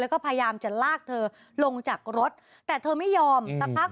แล้วก็พยายามจะลากเธอลงจากรถแต่เธอไม่ยอมสักพัก